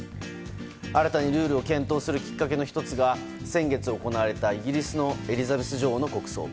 新たにルールを検討するきっかけの１つが先月行われたイギリスのエリザベス女王の国葬。